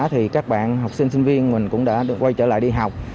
thì các bạn học sinh sinh viên mình cũng đã được quay trở lại đi học